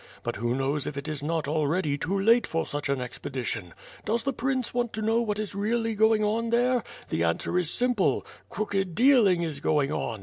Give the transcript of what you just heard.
But who knows if it is not already too late for such an expedition. Does the prince want to know what is really going on there? The answer is simple; crooked dealing is going on.